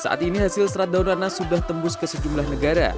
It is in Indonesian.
saat ini hasil serat daun nanas sudah tembus ke sejumlah negara